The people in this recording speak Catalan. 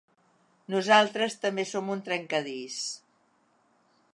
Nosaltres també som un trencadís.